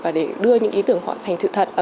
và để đưa những ý tưởng họ sáng tạo